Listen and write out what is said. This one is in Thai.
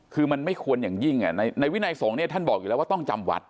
คือมันไม่ควรอย่างยิ่งในวินัยสงฆ์เนี่ยท่านบอกอยู่แล้วว่าต้องจำวัด